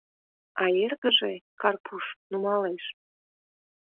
А эргыже, Карпуш, нумалеш?